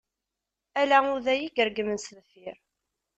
Ala uday i yeregmen s deffir.